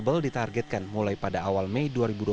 bubble ditargetkan mulai pada awal mei dua ribu dua puluh